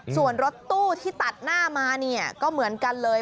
ส่วนรถตู้ที่ตัดหน้ามาเนี่ยก็เหมือนกันเลย